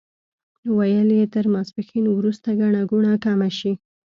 ویل یې تر ماسپښین وروسته ګڼه ګوڼه کمه شي.